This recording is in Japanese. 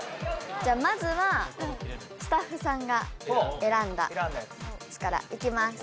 じゃあまずはスタッフさんが選んだやつからいきます